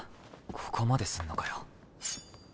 ここまですんのかよ。